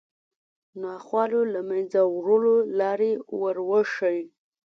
ناخوالو له منځه وړلو لارې وروښيي